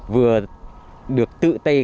vừa được tự tây